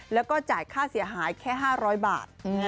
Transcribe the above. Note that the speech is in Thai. แล้วก็จ่ายค่าเสียหายแค่๕๐๐บาท